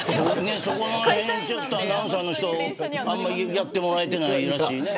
そこらへん、アナウンサーの人やってもらえてないらしいね。